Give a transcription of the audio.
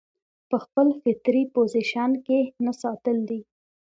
پۀ خپل فطري پوزيشن کښې نۀ ساتل دي